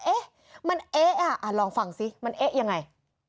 เอ๊ะมันเอ๊ะอ่ะลองฟังสิมันเอ๊ะยังไง